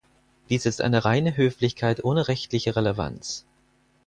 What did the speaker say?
Dies ist eine reine Höflichkeit ohne rechtliche Relevanz.